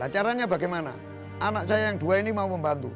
caranya bagaimana anak saya yang dua ini mau membantu